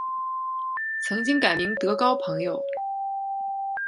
曾经改名德高朋友。